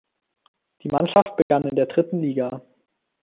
Die Mannschaft begann in der dritten Liga.